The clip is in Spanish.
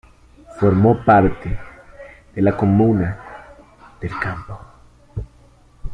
Formó parte de la Comuna del Campo.